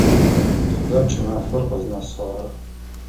Тыда кӏымафэр къызнэсыгъэр?